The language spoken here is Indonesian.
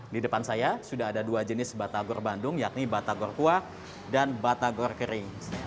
di depan saya sudah ada dua jenis batagor bandung yakni batagor kuah dan batagor kering